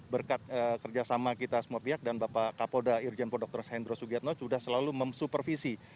berkat kerjasama kita semua pihak dan bapak kapoda irjen podokter hendra sugiatno sudah selalu mem supervisi